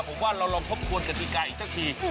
ผมว่าเราลองทบทวนกฎิกาอีกสักที